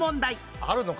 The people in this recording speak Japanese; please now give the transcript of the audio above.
あるのか？